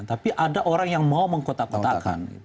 tapi ada orang yang mau mengkotak kotakan